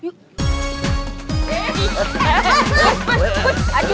aduh ngapain luar